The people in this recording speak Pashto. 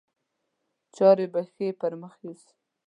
چارې به ښې پر مخ یوسي.